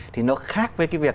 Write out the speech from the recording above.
thì nó khác với cái việc